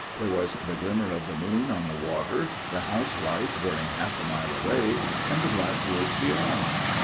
There was the glimmer of the moon on the water, the house lights burning half a mile away, and the black woods beyond.